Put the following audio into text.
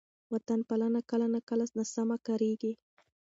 وطن پالنه کله ناکله ناسمه کارېږي.